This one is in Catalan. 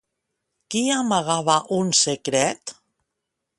Qui amagava un secret?